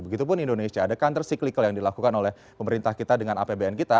begitupun indonesia ada counter cyclical yang dilakukan oleh pemerintah kita dengan apbn kita